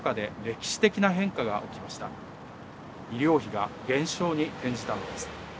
医療費が減少に転じたのです。